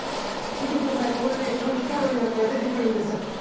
見てください、ここでね、消費カロリーなんかが、ここに出てくるんです。